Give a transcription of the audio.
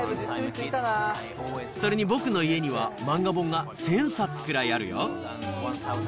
それに僕の家には漫画本が１０００冊くらいあるよ。